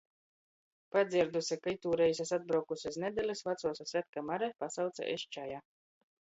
Padzierduse, ka itūreiz es atbraukuse iz nedelis, vacuo susedka Mare pasauce iz čaja.